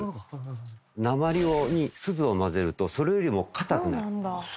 鉛に錫を混ぜるとそれよりも硬くなる。